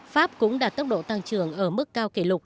pháp cũng đạt tốc độ tăng trưởng ở mức cao kỷ lục